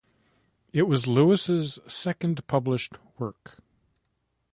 It was Lewis's second published work.